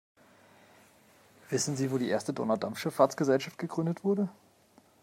Wissen sie wo die erste Donaudampfschiffahrtsgesellschaft gegründet wurde?